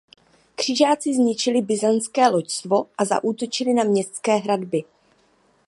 Křižáci zničili byzantské loďstvo a zaútočili na městské hradby.